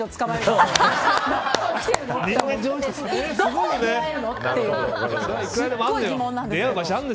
すっごい疑問なんですけど。